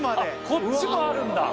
こっちもあるんだ。